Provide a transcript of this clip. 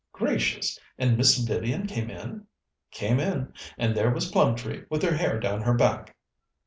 "Gracious! And Miss Vivian came in?" "Came in, and there was Plumtree with her hair down her back!"